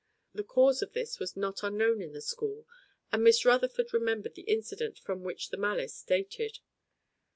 The cause of this was not unknown in the school, and Miss Rutherford remembered the incident from which the malice dated.